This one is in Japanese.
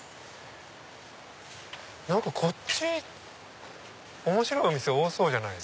何かこっち面白いお店多そうじゃないですか。